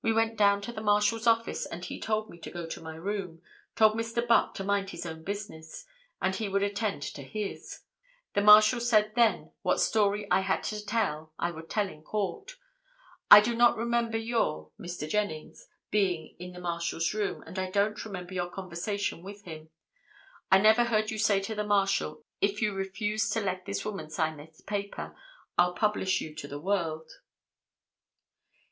We went down to the marshal's office and he told me to go to my room, told Mr. Buck to mind his own business, and he would attend to his; the marshal said then what story I had to tell I would tell in court; I do not remember your (Mr. Jennings) being in the marshal's room and I don't remember your conversation with him; I never heard you say to the marshal 'If you refuse to let this woman sign this paper, I'll publish you to the world.